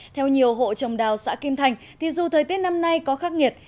theo nhiều hộ trồng đào xã kim thành dù thời tiết năm nay có khắc nghiệt